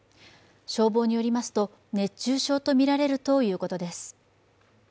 消防によりますと熱中症とみられるということです。